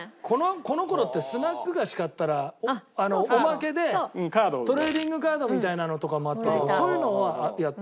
この頃ってスナック菓子買ったらおまけでトレーディングカードみたいなのとかもあったけどそういうのはやった？